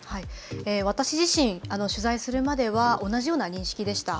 私自身、取材するまでは同じような認識でした。